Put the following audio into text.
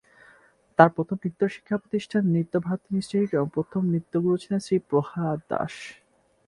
তার প্রথম নৃত্য শিক্ষা প্রতিষ্ঠান ‘নৃত্য ভারতী ইন্সটিটিউট’ এবং প্রথম নৃত্য গুরু ছিলেন ‘শ্রী প্রহ্লাদ দাস’।